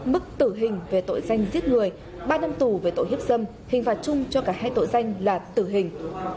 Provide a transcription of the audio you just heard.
mức tử hình về tội danh giết người ba năm tù về tội hiếp dâm hình phạt chung cho cả hai tội danh là tử hình